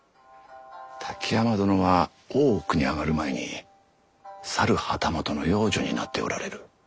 滝山殿は大奥に上がる前にさる旗本の養女になっておられる。